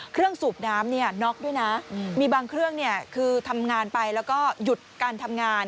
สูบน้ำเนี่ยน็อกด้วยนะมีบางเครื่องคือทำงานไปแล้วก็หยุดการทำงาน